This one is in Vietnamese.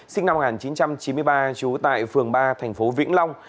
sinh năm một nghìn chín trăm chín mươi ba trú tại phường ba thành phố vĩnh long